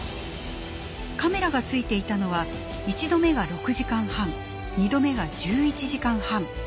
カメラがついていたのは１度目が６時間半２度目が１１時間半。